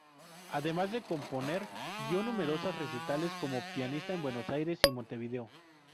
Además de componer, dio numerosos recitales como pianista en Buenos Aires y Montevideo.